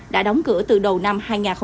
đã đóng cửa từ đầu năm hai nghìn hai mươi